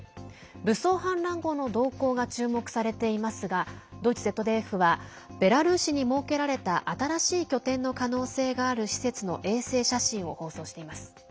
武装反乱後の動向が注目されていますがドイツＺＤＦはベラルーシに設けられた新しい拠点の可能性がある施設の衛星写真を放送しています。